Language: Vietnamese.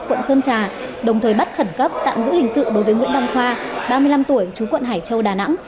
quận sơn trà đồng thời bắt khẩn cấp tạm giữ hình sự đối với nguyễn đăng khoa ba mươi năm tuổi chú quận hải châu đà nẵng